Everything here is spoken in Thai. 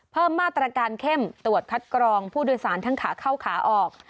เพิ่มมาตรการเข้มตรวจคัดกรองผู้โดยสารทั้งขาเข้าขาออก